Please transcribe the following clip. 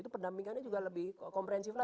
itu pendampingannya juga lebih komprehensif lah